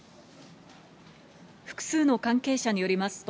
複数の関係者によりますと、